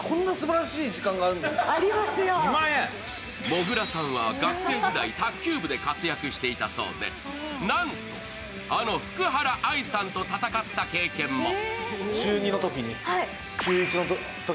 もぐらさんは学生時代、卓球部で活躍していたそうでなんと、あの福原愛さんと戦った経験も。